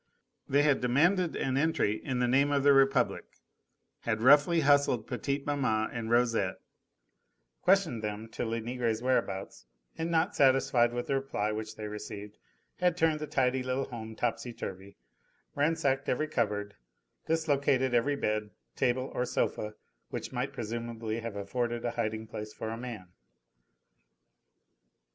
They had demanded an entry in the name of the Republic, had roughly hustled petite maman and Rosette, questioned them to Lenegre's whereabouts, and not satisfied with the reply which they received, had turned the tidy little home topsy turvy, ransacked every cupboard, dislocated every bed, table or sofa which might presumably have afforded a hiding place for a man.